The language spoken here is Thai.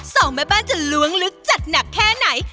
สองแม่บ้านจะล้วงลึกจัดหนักแค่ไหน